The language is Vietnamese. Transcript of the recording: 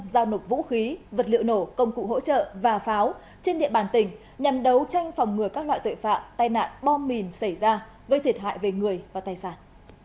giao nộp vũ khí vật liệu nổ công cụ hỗ trợ và pháo trên địa bàn tỉnh nhằm đấu tranh phòng ngừa các loại tội phạm tai nạn bom mìn xảy ra gây thiệt hại về người và tài sản